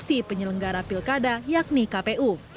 ini di opsi penyelenggara pilkada yakni kpu